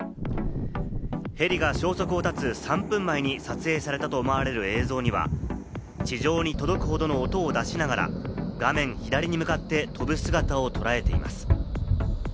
ヘリが消息を絶つ３分前に撮影されたと思われる映像には、地上に届くほどの音を出しながら、画面左に向かって飛ぶ姿をとらえています。